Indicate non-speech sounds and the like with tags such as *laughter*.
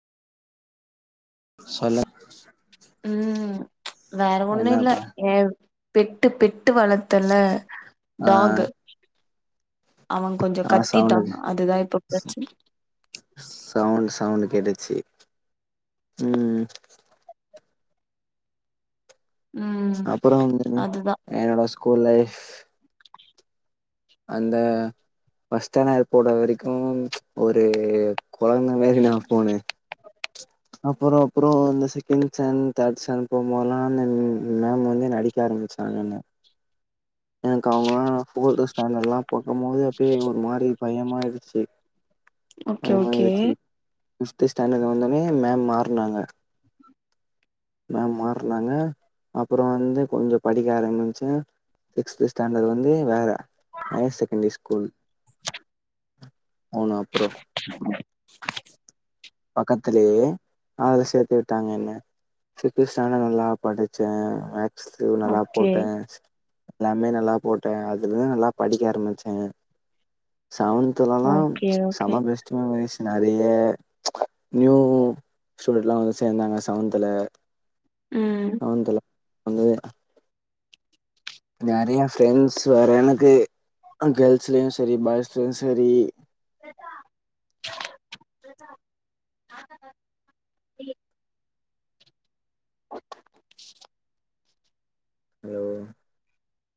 சொல்லு ம் வேற ஒண்ணு இல்ல ஏ பெட்டு பெட்டு வள த்தல ஆ டாக்கு அவன் கொஞ்ச ஆ கத்திட்டா சவுண்டு அதுதா இப்ப ப்ரச்சன சவுண்ட் சவுண்ட் கேட்டுச்சு ம் ம் அப்புறம் வந்து அதுதா என்னோட ஸ்கூல் லைஃப் அந்த பஸ்ட் ஸ்டாண்டர் போட்ற வரைக்கு ஒரு கொழந்த மேரி நா போனே அப்பறோ அப்புறோ இந்த செகண்ட் ஸ்டாண்ட் தேர்ட் ஸ்டாண்ட் போபோதெல்லா மேம் மேம் வந்து அடிக்க ஆரம்பிச்சி *unintelligible* எனக்கு அவங்க ஃபோர்த்து ஸ்டாண்டர்ட்ல்லா பாக்கும் போது அப்டியே ஒரு மாரி பயமாயிடுச்சு ஓகே ஓகே பயமாயிருச்சு பிஃப்த்து ஸ்டேன்டட் வந்தன்னே மேம் மார்னாங்க மேம் மாறனாங்க அப்றோ வந்து கொஞ்ச படிக்க ஆரம்பிச்ச சிக்ஸ்த் ஸ்டாண்டர்ட் வந்து வேற ஹையர் செகண்டரி ஸ்கூல் அவுன அப்பறோ பக்கத்துலயே ஆள் சேத்து விட்டாங்க என்ன சிக்ஸ்த் ஸ்டாண்டர்ட் நல்லா படிச்ச மேக்ஸ்லயூ நல்லா ஓகே போட்ட எல்லாமே நல்லா போட்ட அதுல தா நல்லா படிக்க ஆரம்பிச்ச சவுன் த்துலலா ஓகே ஓகே செம பெஸ்ட் மெமரீஸ் நறைய நியூ ஸ்டூடெண்ட்லா வந்து சேந்தாங்க செவன்த்துல ம் லவன்த்துல வந்து நெறையா ஃப்ரெண்ட்ஸ் வேற எனக்கு கேர்ள்ஸ்லயு செரி பாய்ஸ்லயு செரி கதா கதா *inaudible* *unintelligible*